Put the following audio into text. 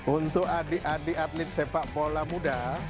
untuk adik adik atlet sepak bola muda